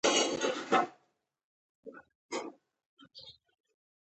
د سنوکر کلبونه په ښارونو کې ډېر دي.